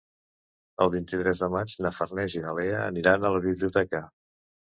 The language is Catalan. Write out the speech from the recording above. El vint-i-tres de maig na Farners i na Lea aniran a la biblioteca.